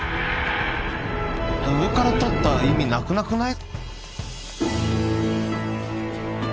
上から撮った意味なくなくない？